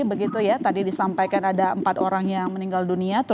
begitu ya tadi disampaikan ada empat orang yang meninggal dunia